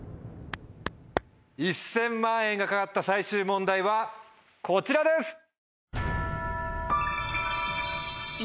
１０００万円が懸かった最終問題はこちらです！